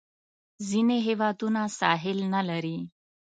ځینې هیوادونه ساحل نه لري.